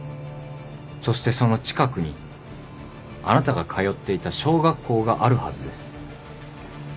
そしてその近くにあなたが通っていた小学校があるはずです。